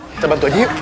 kita bantu aja yuk